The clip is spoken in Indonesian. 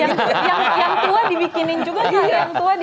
yang tua dibikinin juga nggak ada